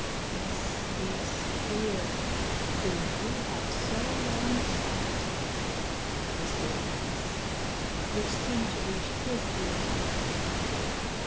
'This is fear whom you have so long sought,' whispered a voice, which seemed to reach his ears alone.